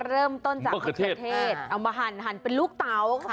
เริ่มต้นจากมะเขือเทศเอามาหั่นเป็นลูกเตาค่ะ